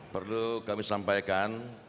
perlu kami sampaikan